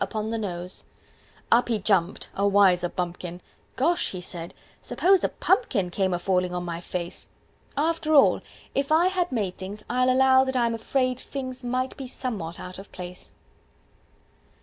Upon the nose. Up he jumped a wiser bumpkin. "Gosh!" he said. "Suppose a pumpkin Came a fallin' on my face! After all, if I had made things, I'll allow that I'm afraid things Might be some what out of place."